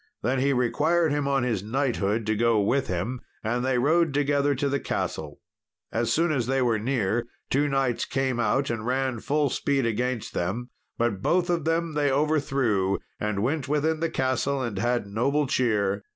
Then he required him on his knighthood to go with him, and they rode together to the castle. As soon as they were near, two knights came out and ran full speed against them; but both of them they overthrew, and went within the castle, and had noble cheer.